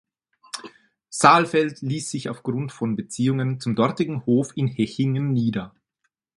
Saalfeld ließ sich aufgrund von Beziehungen zum dortigen Hof in Hechingen nieder.